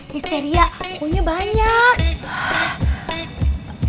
hysteria pokoknya banyak